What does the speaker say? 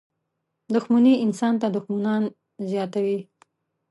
• دښمني انسان ته دښمنان زیاتوي.